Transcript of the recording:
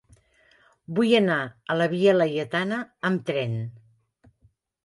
Vull anar a la via Laietana amb tren.